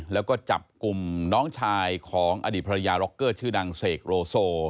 แล้วก็จับกลุ่มน้องชายของอดีตภรรยาร็อกเกอร์ชื่อดังเสกโลโซ